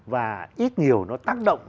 và ít nhiều nó tác động